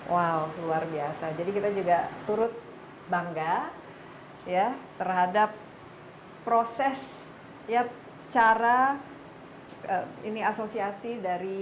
wow luar biasa jadi kita juga turut bangga ya terhadap proses ya cara ini asosiasi dari